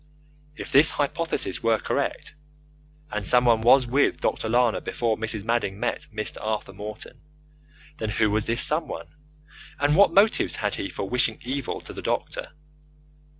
If this hypothesis were correct, and someone was with Dr. Lana before Mrs. Madding met Mr. Arthur Morton, then who was this someone, and what motives had he for wishing evil to the doctor?